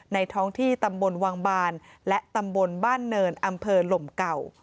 ท้องที่ตำบลวังบานและตำบลบ้านเนินอำเภอหลมเก่า